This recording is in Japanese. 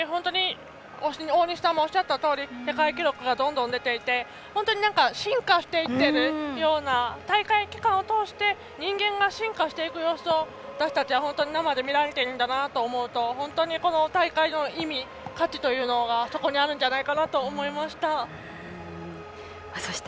大西さんもおっしゃったとおり世界記録がどんどん出ていて進化していっているような大会期間を通して人間が進化していく様子を私たちは生で見られているんだなと思うと本当にこの大会の意味価値というのがそこにあるんじゃないかなと思いました。